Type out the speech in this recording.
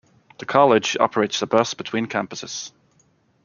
The College operates a bus between Campuses.